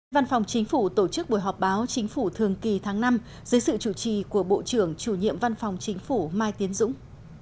văn phòng chính phủ tổ chức buổi họp báo chính phủ thường kỳ tháng năm dưới sự chủ trì của bộ trưởng chủ nhiệm văn phòng chính phủ mai tiến dũng